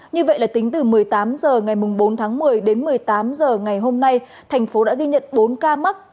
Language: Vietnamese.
như vậy là tính từ một mươi tám h ngày bốn tháng một mươi đến một mươi tám h ngày hôm nay thành phố đã ghi nhận bốn ca mắc